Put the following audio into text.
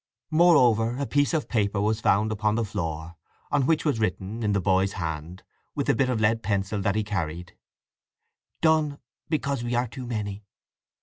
Moreover a piece of paper was found upon the floor, on which was written, in the boy's hand, with the bit of lead pencil that he carried: _Done because we are too menny.